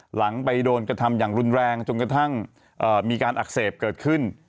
หลังไปโดนกระทำอย่างรุนแรงจนกระทั่งมีการอักเสบเกิดขึ้น